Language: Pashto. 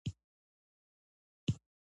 انسانان ټول یو ډول نه دي.